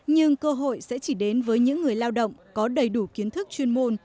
nhưng cơ hội sẽ chỉ đến với những người lao động có đầy đủ kiến thức chuyên môn